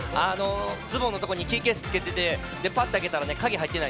ズボンのとこにキーケースつけててぱって開けたら鍵入ってない。